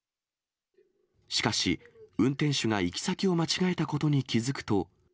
しかし、運転手が行き先を間違えたことに気付くと。